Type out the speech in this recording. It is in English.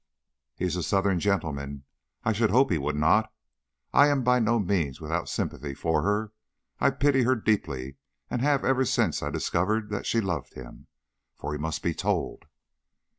"He is a Southern gentleman; I should hope he would not. I am by no means without sympathy for her. I pity her deeply, and have ever since I discovered that she loved him. For he must be told."